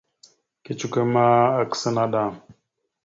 Kecikwe ma, akǝsa naɗ a.